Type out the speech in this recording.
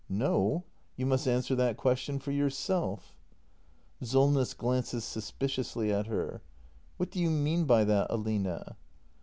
No; you must answer that question for yourself. Solness. [Glances suspiciously at her.] What do you mean by that, Aline